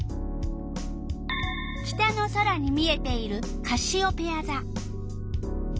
北の空に見えているカシオペヤざ。